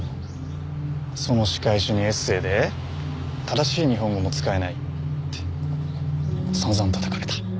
その仕返しにエッセーで正しい日本語も使えないって散々たたかれた。